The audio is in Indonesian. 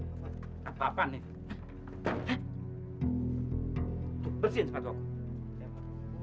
orang ajar kamu